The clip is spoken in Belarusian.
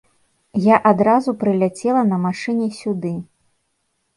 Я адразу прыляцела на машыне сюды.